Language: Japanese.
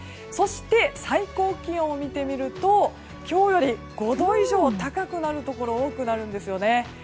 そして、最高気温を見てみると今日より５度以上高くなるところ多くなるんですよね。